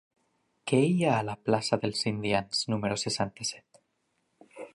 Què hi ha a la plaça dels Indians número seixanta-set?